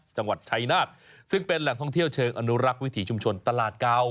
จังหวัดชัยนาธิ์ซึ่งเป็นแหล่งท่องเที่ยวเชิงอนุรักษ์วิถีชุมชนตลาดเก่า